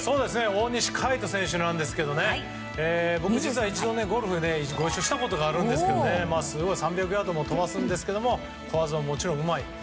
大西魁斗選手ですが僕、実は一度ゴルフご一緒したことがあるんですけどすごい３００ヤードも飛ばすんですけど、小技ももちろんうまい。